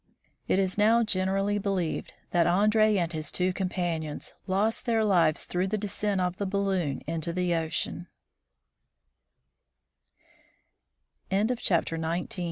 It is now generally believed that Andree and his two companions lost their lives through the descent of the bal loon into the ocean.